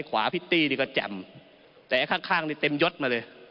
ขวาพิตตี้นี่ก็แจ่มแต่ข้างนี่เต็มยดมาเลย